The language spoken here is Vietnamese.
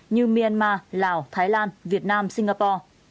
như myanmar lào thái lan việt nam singapore